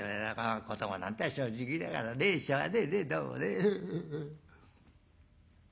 子どもなんて正直だからねしょうがねえねどうもね」。